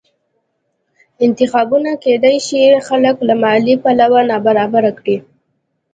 انتخابونه کېدای شي خلک له مالي پلوه نابرابره کړي